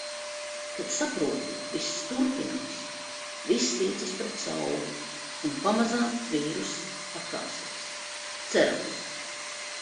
Kad saproti – viss turpinās, viss tiecas pret sauli. Un pamazām vīruss atkāpsies. Cerams.